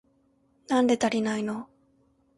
なんで足りないの？